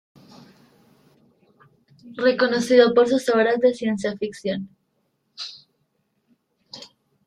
Reconocido por sus obras de ciencia ficción.